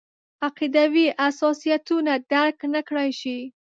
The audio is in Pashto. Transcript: عقیدوي حساسیتونه درک نکړای شي.